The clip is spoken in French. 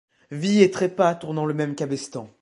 Vie et trépas tournant le même cabestan !